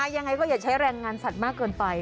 ยังไงก็อย่าใช้แรงงานสัตว์มากเกินไป